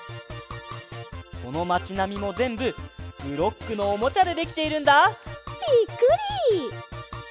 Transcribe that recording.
このまちなみもぜんぶブロックのおもちゃでできているんだ！びっくり！